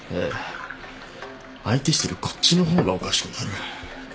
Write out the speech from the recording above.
相手してるこっちの方がおかしくなる。